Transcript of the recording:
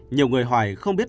nhiều người hoài không biết